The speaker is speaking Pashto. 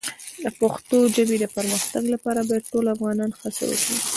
د پښتو ژبې د پرمختګ لپاره باید ټول افغانان هڅه وکړي.